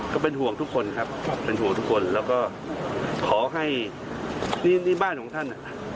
ก็เป็นห่วงทุกคนครับเป็นห่วงทุกคนแล้วก็ขอให้นี่บ้านของท่าน